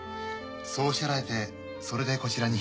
そうおっしゃられてそれでこちらに。